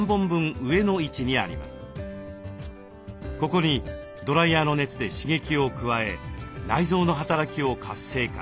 ここにドライヤーの熱で刺激を加え内臓の働きを活性化。